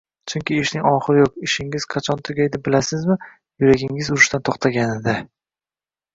Chunki ishning oxiri yo‘q. Ishingiz qachon tugaydi, bilasizmi? Yuragingiz urishdan to‘xtaganida!